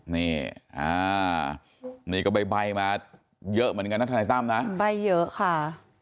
นี่นี่ก็ใบมาเยอะเหมือนกันนะทนายตั้มนะใบเยอะค่ะ